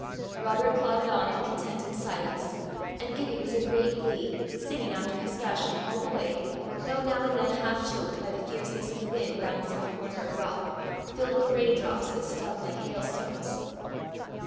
Robert plodded on in contented silence, and Gibbie was in great glee, singing, after his fashion, all the way, though now and then half choked by the fierceness of the wind round some corner of rock, filled with rain drops that stung like hailstones.